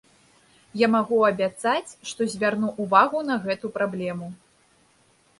Я магу абяцаць, што звярну ўвагу на гэту праблему.